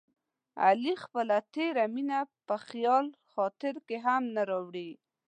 علي خپله تېره مینه په خیال خاطر کې هم نه راوړي.